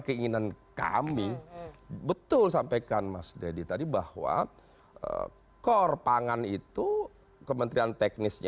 keinginan kami betul sampaikan mas deddy tadi bahwa core pangan itu kementerian teknisnya